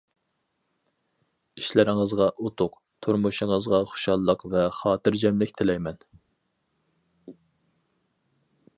ئىشلىرىڭىزغا ئۇتۇق، تۇرمۇشىڭىزغا خۇشاللىق ۋە خاتىرجەملىك تىلەيمەن.